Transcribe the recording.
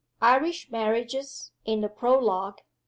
Irish Marriages (In the Prologue).